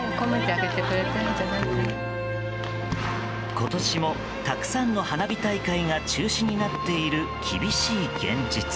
今年もたくさんの花火大会が中止になっている厳しい現実。